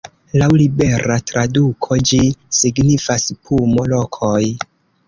Laŭ libera traduko ĝi signifas "pumo-rokoj".